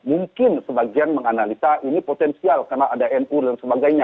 mungkin sebagian menganalisa ini potensial karena ada nu dan sebagainya